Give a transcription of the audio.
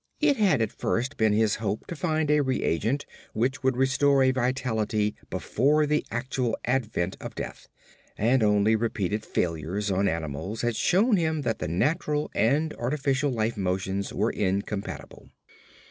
It had at first been his hope to find a reagent which would restore vitality before the actual advent of death, and only repeated failures on animals had shewn him that the natural and artificial life motions were incompatible.